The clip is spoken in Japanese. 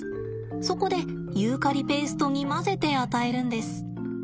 そこでユーカリペーストに混ぜて与えるんです。